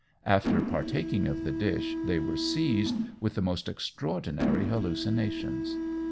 After partaking of the dish, they were seized with the most extraordinary hallucinations.